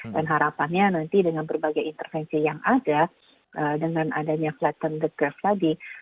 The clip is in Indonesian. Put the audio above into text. dan harapannya nanti dengan berbagai intervensi yang ada dengan adanya flatten the curve tadi